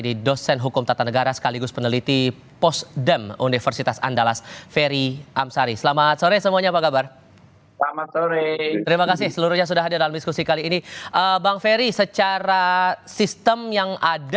di mana b piles yang berkelanjutan